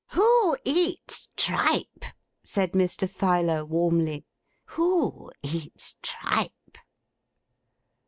'Who eats tripe?' said Mr. Filer, warmly. 'Who eats tripe?